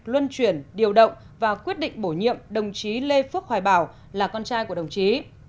luân chuyển điều động và quyết định bổ nhiệm đồng chí lê phước hoài bảo là con trai của đồng chí